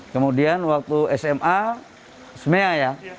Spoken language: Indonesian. kemudian waktu sma smea ya